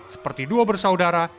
seperti duo bersaudara